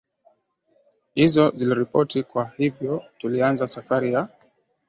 hizo ziliripoti kwa hivyo tulianza safari ya